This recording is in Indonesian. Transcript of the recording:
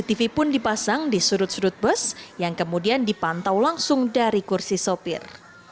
tv pun dipasang di sudut sudut bus yang kemudian dipantau langsung dari kursi sopir